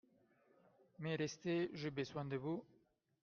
Mais restez, j’ai besoin de vous…